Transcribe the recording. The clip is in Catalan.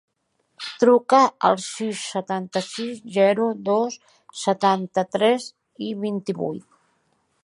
Truca al sis, setanta-sis, zero, dos, setanta-tres, vint-i-vuit.